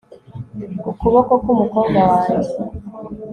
ukuboko k'umukobwa wanjye